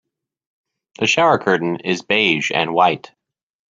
The shower curtain is beige and white.